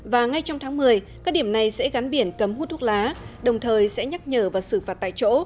và ngay trong tháng một mươi các điểm này sẽ gắn biển cấm hút thuốc lá đồng thời sẽ nhắc nhở và xử phạt tại chỗ